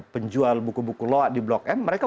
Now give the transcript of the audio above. penjual buku buku loak di blok m mereka